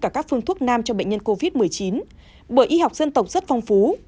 và các phương thuốc nam cho bệnh nhân covid một mươi chín bởi y học dân tộc rất phong phú